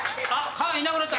蚊いなくなった。